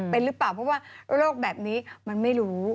เป็นหรือเปล่าเพราะว่าโรคแบบนี้มันไม่รู้